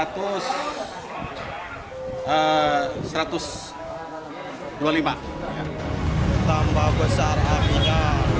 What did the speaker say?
tambah besar apinya